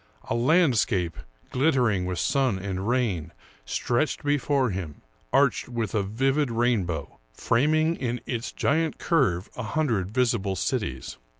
A landscape, glittering with sun and rain, stretched before him, arched with a vivid rainbow, framing in its giant curve a hundred visible cities.